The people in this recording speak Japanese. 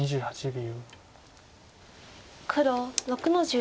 ２８秒。